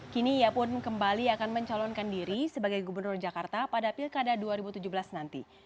kini ia pun kembali akan mencalonkan diri sebagai gubernur jakarta pada pilkada dua ribu tujuh belas nanti